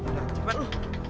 udah cepet lu